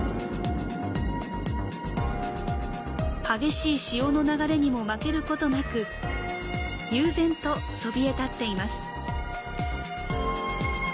激しい潮の流れにも負けることなく、悠然とそびえ立っています。